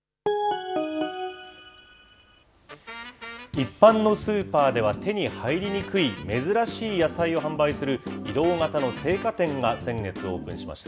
一般のスーパーでは、手に入りにくい、珍しい野菜を販売する移動型の青果店が先月オープンしました。